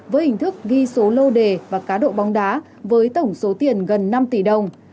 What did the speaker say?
với hình thức ghi số lô đề và cá độ bóng đá với tổng số tiền gần năm tỷ đồng